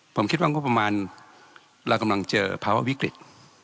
ผมคิดว่างบประมาณเรากำลังเจอภาวะวิกฤต